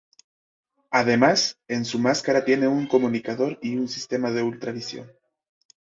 Además, en su máscara tiene un comunicador, y un sistema de ultra visión.